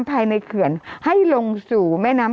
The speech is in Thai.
กรมป้องกันแล้วก็บรรเทาสาธารณภัยนะคะ